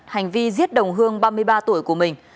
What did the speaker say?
hành vi giết đồng hương ba mươi ba tuổi của mình